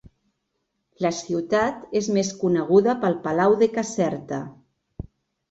La ciutat és més coneguda pel Palau de Caserta.